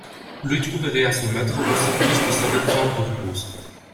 Lui trouverait à se mettre au service de sa défunte épouse.